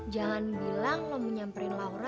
jangan bilang lo menyamperin laura